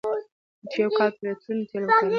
چې يو کال پرې عطرونه، تېل وکاروي،